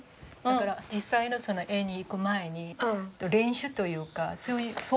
だから実際の絵にいく前に練習というかそういう意味かな。